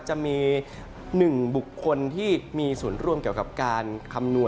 จะมี๑บุคคลที่มีส่วนร่วมเกี่ยวกับการคำนวณ